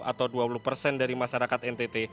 atau dua puluh persen dari masyarakat ntt